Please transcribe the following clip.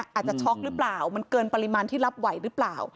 ช็อกหรือเปล่ามันเกินปริมาณที่รับไหวหรือเปล่า